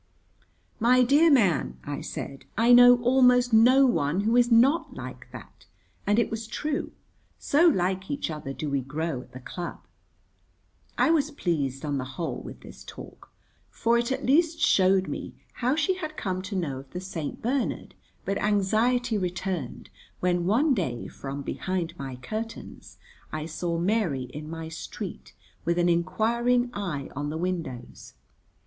"My dear man," I said, "I know almost no one who is not like that," and it was true, so like each other do we grow at the club. I was pleased, on the whole, with this talk, for it at least showed me how she had come to know of the St. Bernard, but anxiety returned when one day from behind my curtains I saw Mary in my street with an inquiring eye on the windows.